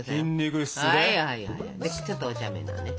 ちょっとおちゃめなね。